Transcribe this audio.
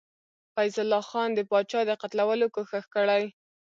فیض الله خان د پاچا د قتلولو کوښښ کړی.